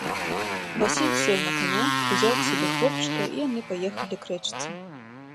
Васіль сеў на каня, узяў к сабе хлопчыка, і яны паехалі к рэчцы.